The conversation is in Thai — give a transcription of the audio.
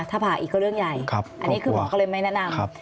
ถ้าผ่าอีกก็เรื่องใหญ่อันนี้คือหมอก็เลยไม่แนะนำ